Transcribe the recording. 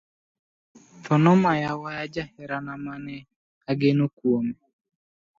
Tho nomaya waya jaherane mane ogeno kuome.